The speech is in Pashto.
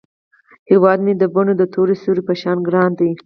هیواد مې د بڼو د تور سیوري په شان ګران دی